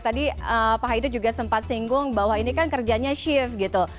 tadi pak haider juga sempat singgung bahwa ini kan kerjanya shift gitu